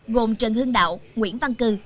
gồm trần hương đạo nguyễn văn cư